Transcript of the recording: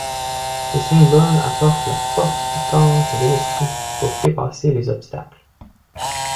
Ce symbole apporte la force du corps et de l'esprit pour dépasser les obstacles.